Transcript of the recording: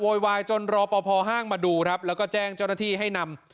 วายจนรอปภห้างมาดูครับแล้วก็แจ้งเจ้าหน้าที่ให้นำ